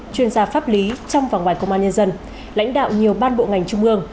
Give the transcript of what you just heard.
chuyên gia pháp lý trong và ngoài công an nhân dân lãnh đạo nhiều ban bộ ngành trung ương